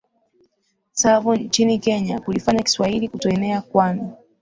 Tsavo nchini kenya kulifanya kiswahili kutoenea kwani